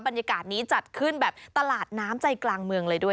บรรยากาศนี้จัดขึ้นแบบตลาดน้ำใจกลางเมืองเลยด้วย